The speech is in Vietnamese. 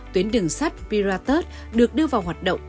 tuyến đường sắt pirates được đưa vào hoạt động